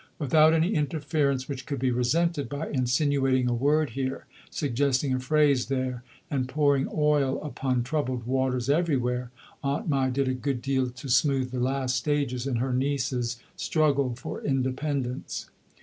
Without any interference which could be resented, by insinuating a word here, suggesting a phrase there, and pouring oil upon troubled waters everywhere, Aunt Mai did a good deal to smooth the last stages in her niece's struggle for independence.